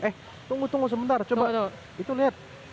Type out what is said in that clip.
eh tunggu tunggu sebentar coba itu lihat